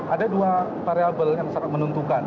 ada dua variable yang sangat menentukan